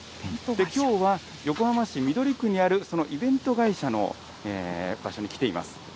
きょうは横浜市緑区にあるそのイベント会社の場所に来ています。